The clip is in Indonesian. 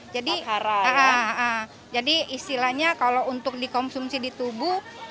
jadi istilahnya kalau untuk dikonsumsi di tubuh